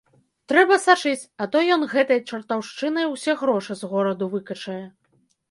Трэба сачыць, а то ён гэтай чартаўшчынай усе грошы з гораду выкачае.